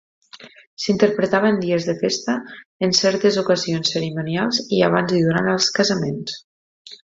S'interpretava en dies de festa, en certes ocasions cerimonials, i abans i durant els casaments.